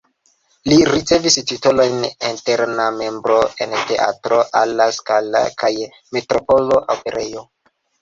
Li ricevis titolojn "eterna membro" en Teatro alla Scala kaj Metropola Operejo.